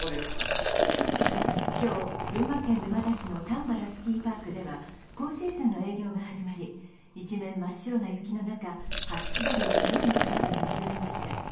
今日群馬県沼田市のたんばらスキーパークでは、今シーズンの営業が始まり、一面真っ白な雪の中、初滑りを楽しむ客でにぎわいました。